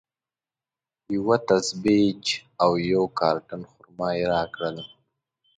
یوه تسبیج او یو کارټن خرما یې راکړل.